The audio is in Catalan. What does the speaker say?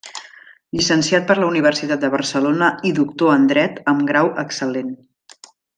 Llicenciat per la Universitat de Barcelona i doctor en dret amb grau excel·lent.